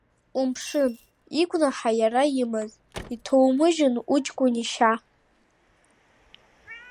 Умԥшын, игәнаҳа иара имаз, иҭоумыжьын уҷкәын ишьа!